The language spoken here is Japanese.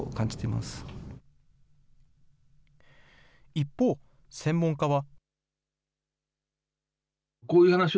一方、専門家は。